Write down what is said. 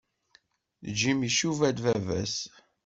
Jim icuba-d baba-s.